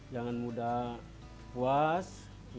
jangan mudah puas